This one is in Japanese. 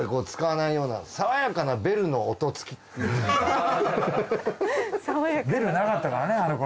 ベルなかったからねあの頃。